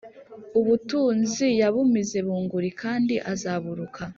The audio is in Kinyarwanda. Ubutunzi yabumize bunguri kandi azaburuka